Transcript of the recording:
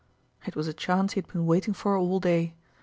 It was a chance he had been waiting for all day.